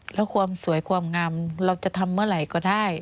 แล้วความสวยความงามเราจะทำเมื่อไหร่ก็ได้